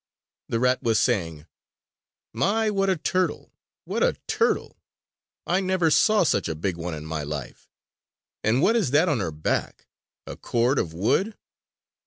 The rat was saying: "My, what a turtle, what a turtle! I never saw such a big one in my life! And what is that on her back? A cord of wood?"